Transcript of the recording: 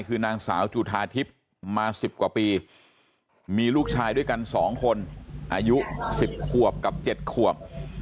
คือนางสาวจุธาทิพย์มา๑๐กว่าปีมีลูกชายด้วยกัน๒คนอายุ๑๐ขวบกับ๗ขวบ